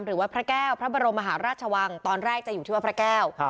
วัดพระแก้วพระบรมมหาราชวังตอนแรกจะอยู่ที่วัดพระแก้ว